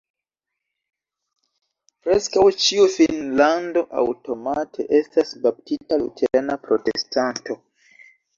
Preskaŭ ĉiu finnlandano aŭtomate estas baptita luterana protestanto.